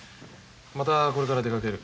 またこれから出かける。